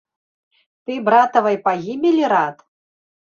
Ты братавай пагібелі рад?